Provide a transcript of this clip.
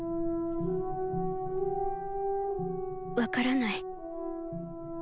分からない。